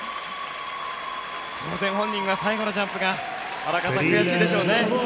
当然、本人は最後のジャンプが悔しいでしょうね。